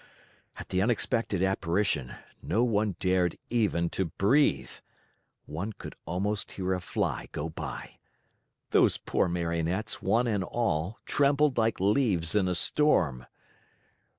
At the unexpected apparition, no one dared even to breathe. One could almost hear a fly go by. Those poor Marionettes, one and all, trembled like leaves in a storm.